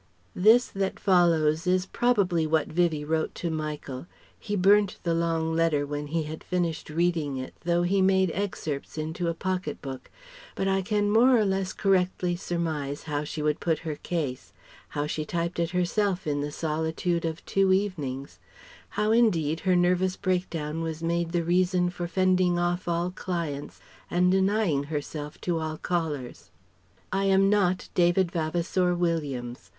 This that follows is probably what Vivie wrote to Michael. He burnt the long letter when he had finished reading it though he made excerpts in a pocket book. But I can more or less correctly surmise how she would put her case; how she typed it herself in the solitude of two evenings; how, indeed, her nervous break down was made the reason for fending off all clients and denying herself to all callers. "I am not David Vavasour Williams.